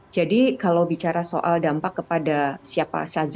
jadi kalau bicara soal dampak kepada siapa saja